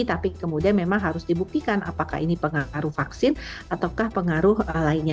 tapi kemudian memang harus dibuktikan apakah ini pengaruh vaksin ataukah pengaruh lainnya